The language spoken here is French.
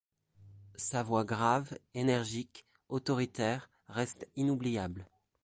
Sa voix grave, énergique, autoritaire, reste inoubliable.